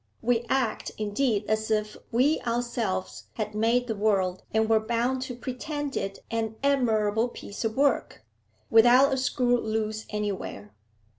We act, indeed, as if we ourselves had made the world and were bound to pretend it an admirable piece of work, without a screw loose anywhere.